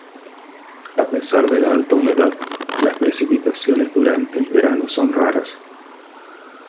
A pesar de la alta humedad, las precipitaciones durante el verano son raras.